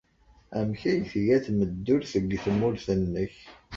Amek ay tga tmeddurt deg tmurt-nnek?